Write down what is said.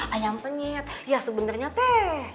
ayam penyet ya sebenernya teh